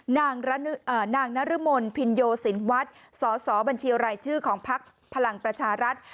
นางนรมนศ์พิญโยศิลป์วัดสบัญชีอะไรชื่อของภักดิ์พลังประชารัฐ